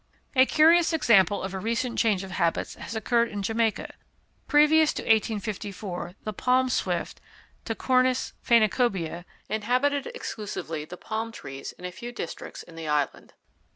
A curious example of a recent change of habits has occurred in Jamaica. Previous to 1854, the palm swift (Tachornis phænicobea) inhabited exclusively the palm trees in a few districts in the island.